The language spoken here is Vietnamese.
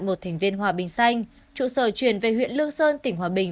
một thành viên hòa bình xanh trụ sở chuyển về huyện lương sơn tỉnh hòa bình